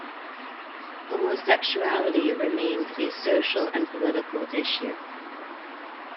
Homosexuality remains a social and political issue.